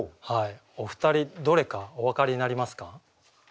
お二人どれかお分かりになりますか？